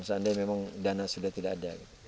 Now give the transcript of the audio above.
dan seandainya memang dana sudah tidak ada